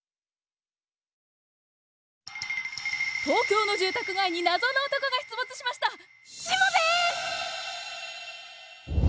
東京の住宅街に謎の男が出没しました！